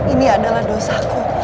ini adalah dosaku